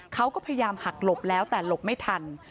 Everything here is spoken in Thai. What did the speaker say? เขาก็พยายามหักหลบแล้วแต่หลบไม่ทัน